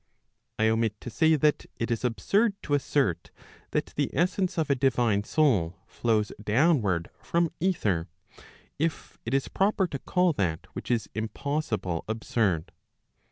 1 omit to say that it is ahsurd to assert that the essence of a divine soul flows downward from ether, if it is proper to call that which is impossible absurd.